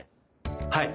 はい。